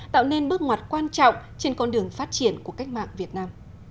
tạo nên bước ngoặt quan trọng trên con đường phát triển của cách mạng việt nam